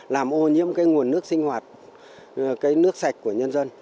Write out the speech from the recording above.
làm ô nhiễm cái nguồn nước sinh hoạt cái nước sạch của nhân dân